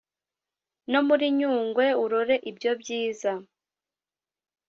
no muri nyungwe urore ibyo byiza.